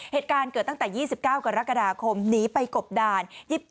เหตุการณ์เกิดตั้งแต่๒๙กรกฎาคมหนีไปกบดาน